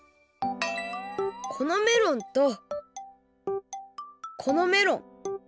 このメロンとこのメロン。